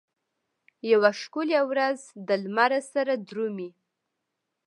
یوه ښکلې ورځ دلمره سره درومي